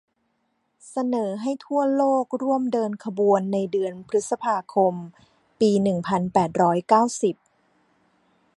เสนอให้ทั่วโลกร่วมเดินขบวนในเดือนพฤษภาคมปีหนึ่งพันแปดร้อยเก้าสิบ